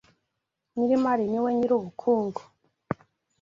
Nyir’imari ni we nyir’ubukungu